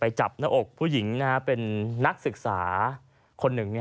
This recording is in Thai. จับหน้าอกผู้หญิงเป็นนักศึกษาคนหนึ่ง